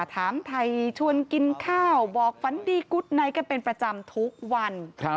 ถามไทยชวนกินข้าวบอกฝันดีกุ๊ดไหนกันเป็นประจำทุกวัน